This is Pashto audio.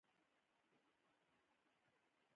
د افغان دوستي تر ابده دوام لري.